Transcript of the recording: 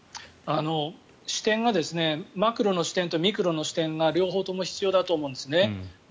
視点がマクロの視点とミクロの視点が両方とも必要だと思うんですね。